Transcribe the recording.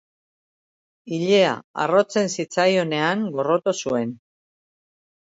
Ilea harrotzen zitzaionean gorroto zuen.